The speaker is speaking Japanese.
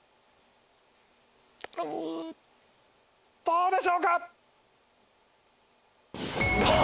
どうでしょうか⁉おぉ！